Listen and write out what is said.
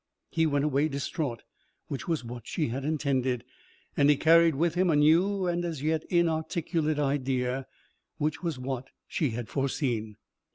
He went away distraught, which was what she had intended, and he carried with him a new and as yet inarticulate idea, which was what she had foreseen.